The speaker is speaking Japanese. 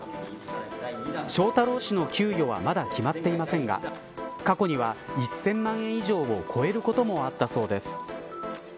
翔太郎氏の給与はまだ決まっていませんが過去には１０００万円以上を超えることもあったそうです。